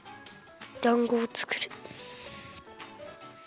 だんごをつくる。